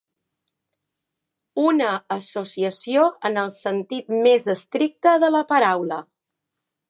Una associació en el sentit més estricte de la paraula.